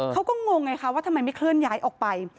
งงไงคะว่าทำไมไม่เคลื่อนย้ายออกไป